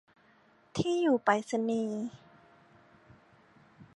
ที่อยู่ไปรษณีย์